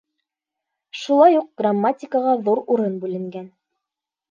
Шулай уҡ грамматикаға ҙур урын бүленгән.